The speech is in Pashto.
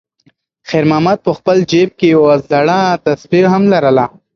خیر محمد په خپل جېب کې یوه زړه تسبېح هم لرله.